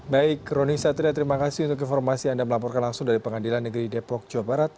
baik roni satria terima kasih untuk informasi anda melaporkan langsung dari pengadilan negeri depok jawa barat